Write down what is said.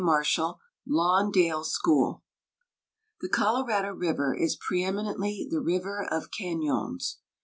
MARSHALL, Lawndale School. The Colorado River is pre eminently "The River of Cañons."